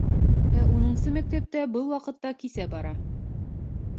Ә унынсы мәктәптә был ваҡытта кисә бара.